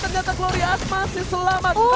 ternyata dia masih selamat